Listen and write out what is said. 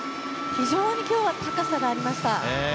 非常に今日は高さがありました。